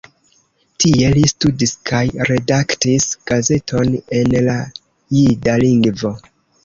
Tie li studis kaj redaktis gazeton en la jida lingvo.